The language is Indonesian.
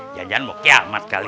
jajan mau kiamat kali